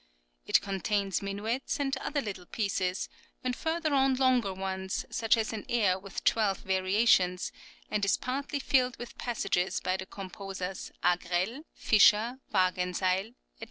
[10028] It contains minuets and other little pieces, and further on longer ones, such as an air with twelve variations, and is partly filled with passages by the composers Agrell, Fischer, Wagenseil, &c.